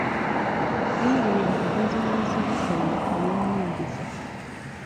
Genderera kugaziya nsibuko yo ey'enyingiza.